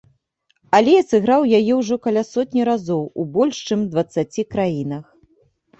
Але я сыграў яе ўжо каля сотні разоў у больш чым дваццаці краінах.